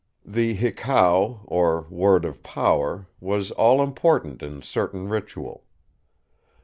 The 'hekau', or word of power, was all important in certain ritual.